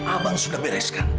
abang sudah bereskan